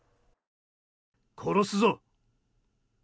殺すぞ。